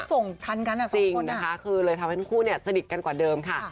ส่งทันกันอ่ะสินะคะคือเลยทำให้ทั้งคู่เนี่ยสนิทกันกว่าเดิมค่ะ